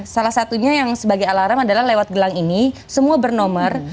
salah satunya yang sebagai alarm adalah lewat gelang ini semua bernomor